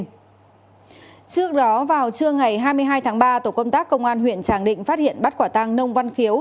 trước đó vào trưa ngày hai mươi hai tháng ba tổ công tác công an huyện tràng định phát hiện bắt quả tăng nông văn khiếu